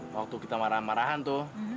waktu kita marah marahan tuh